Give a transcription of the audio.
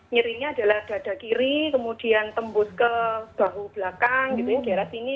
nyerinya adalah dada kiri kemudian tembus ke bahu belakang gitu ya di arah sini